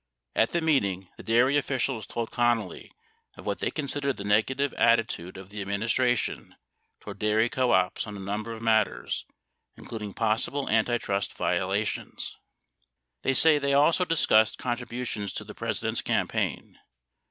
64 At the meeting, the dairy officials told Connally of what they con sidered the negative attitude of the administration toward dairy co ops on a number of matters, including possible antitrust violations. 65 They say they also discussed contributions to the President's campaign.